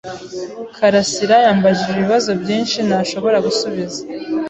Karasirayambajije ibibazo byinshi ntashobora gusubiza.